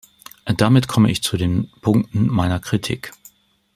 Damit komme ich zu den Punkten meiner Kritik.